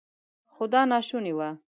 خو دا ناشونې وه.